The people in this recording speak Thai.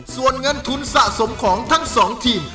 ส่วนเงินทุนสะสมของทั้งสองทีม